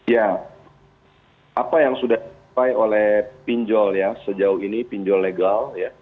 ya apa yang sudah dipakai oleh pinjol ya sejauh ini pinjol legal